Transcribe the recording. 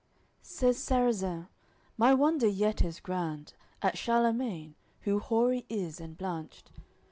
AOI. XLII Says Sarrazin: "My wonder yet is grand At Charlemagne, who hoary is and blanched.